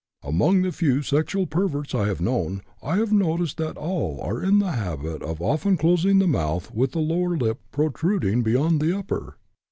Among the few sexual perverts I have known I have noticed that all are in the habit of often closing the mouth with the lower lip protruding beyond the upper.